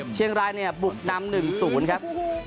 เชียงรายเนี่ยบุกนำ๑๐ครับ